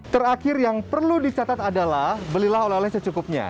terakhir yang perlu dicatat adalah belilah olahraga yang secukupnya